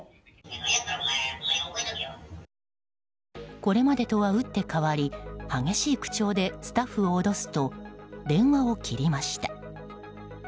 これまでとは打って変わり激しい口調でスタッフを脅すと電話を切りました。